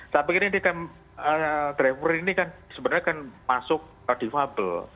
saya pikir ini kan driver ini kan sebenarnya kan masuk defable